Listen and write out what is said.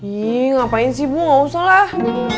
hmm ngapain sih bu gak usah lah